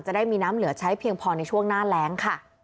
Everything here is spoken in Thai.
ได้มีน้ำเหลือใช้เพียงพอในช่วงหน้าแรงค่ะ